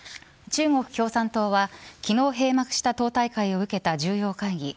中国共産党は昨日閉幕した党大会を受けた重要会議